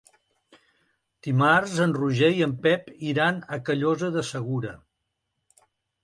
Dimarts en Roger i en Pep iran a Callosa de Segura.